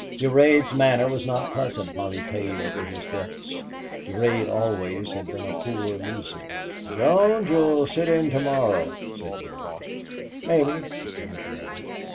Durade's manner was not pleasant while he paid over his debts. Durade always had been a poor loser. "Jones, you'll sit in to morrow," said Durade. "Maybe," replied the other.